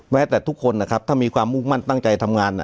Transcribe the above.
แต่ทุกคนนะครับถ้ามีความมุ่งมั่นตั้งใจทำงาน